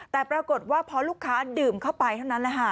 แต่ปรากฏว่าเพราะลูกค้าดื่มเข้าไปเท่านั้น